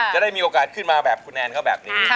จะได้มีโอกาสขึ้นมาแบบคุณแอนเขาแบบนี้